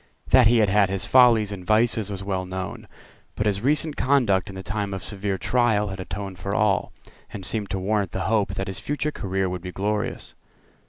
That he had had his follies and vices was well known. But his recent conduct in the time of severe trial had atoned for all, and seemed to warrant the hope that his future career would be glorious.